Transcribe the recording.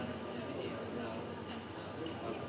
sebelum berakhir rawat yang terlalu banyak